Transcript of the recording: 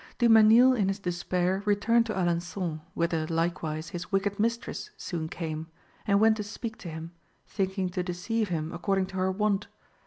Du Mesnil in his despair returned to Alençon, whither, likewise, his wicked mistress soon came, and went to speak to him, thinking to deceive him according to her wont.